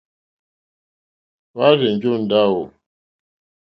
Hwá rzènjó ndáwù.